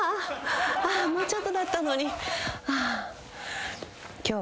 もうちょっとだったのに。